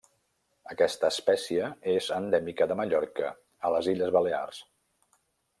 Aquesta espècie és endèmica de Mallorca, a les illes Balears.